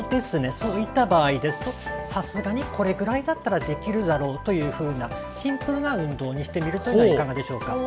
そういった場合ですとさすがにこれぐらいだったらできるだろうというふうなシンプルな運動にしてみるというのはいかがでしょうか。